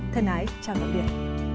thân ái chào tạm biệt